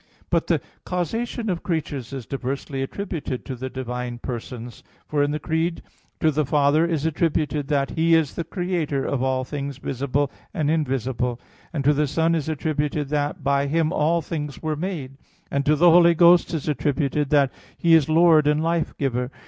But the causation of creatures is diversely attributed to the divine Persons; for in the Creed, to the Father is attributed that "He is the Creator of all things visible and invisible"; to the Son is attributed that by Him "all things were made"; and to the Holy Ghost is attributed that He is "Lord and Life giver."